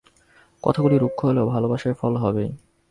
কথাগুলি রুক্ষ হলেও ভালবাসায় ফল হবেই।